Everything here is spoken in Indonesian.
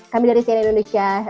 kami dari sina indonesia